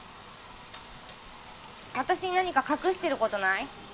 私に何か隠してることない？